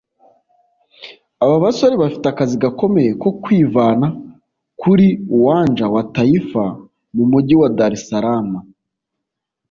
Aba basore bafite akazi gakomeye ko kwivana kuri Uwanja wa Taifa mu mugi wa Dar Es Salaam